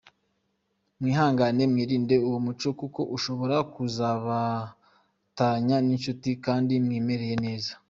Mwihangane mwirinde uwo muco kuko ushobora kuzabatanya n’inshuti kandi mwimereye neza.